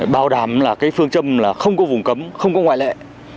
bảo đảm phương châm không có vùng cấm không có ngoại lệ